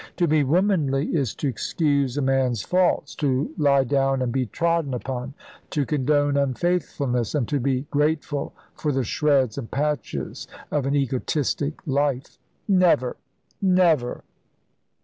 To be womanly is to excuse a man's faults, to lie down and be trodden upon, to condone unfaithfulness, and to be grateful for the shreds and patches of an egotistic life. Never! never!"